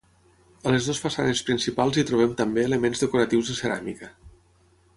A les dues façanes principals hi trobem també elements decoratius de ceràmica.